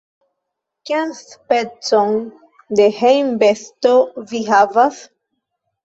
Kian specon de hejmbesto vi havas?